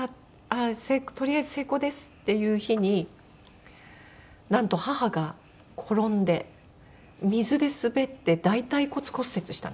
とりあえず成功ですっていう日になんと母が転んで水で滑って大腿骨骨折をしたんですよ。